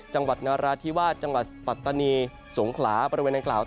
จังหวัดนราธิวาสจังหวัดปัตตานีสงขลาบริเวณอังกล่าว